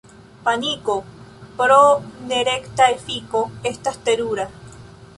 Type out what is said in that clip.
Paniko, pro nerekta efiko, estas terura.